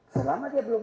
selama dia belum